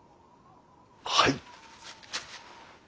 はい。